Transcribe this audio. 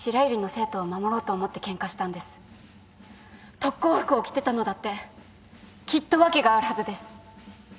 特攻服を着てたのだってきっと訳があるはずです。